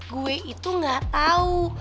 gue itu ga tau